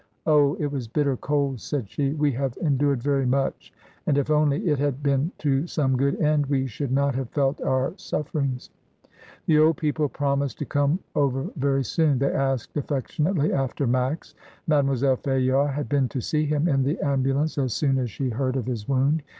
Oh! it was bitter cold," said she; "we have endured very much; and if only it had been to some good end we should not have felt our suffer ings." The old people promised to come over voy soon. They asked affectionately after Max. Made moiselle Fayard had been to see him in the ambu lance as soon as she heard of his wound.